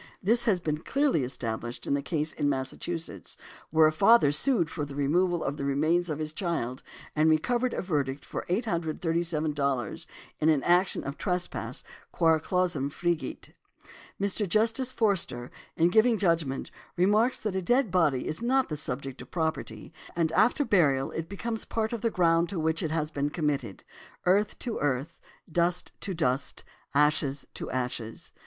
This has been clearly established in a case in Massachusetts, where a father sued for the removal of the remains of his child, and recovered a verdict for $837 in an action of trespass quare clausum fregit. Mr. Justice Forster, in giving judgment, remarks that a dead body is not the subject of property, and after burial it becomes part of the ground to which it has been committed, earth to earth, dust to dust, ashes to ashes.